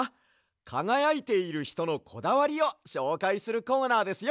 かがやいているひとのこだわりをしょうかいするコーナーですよ。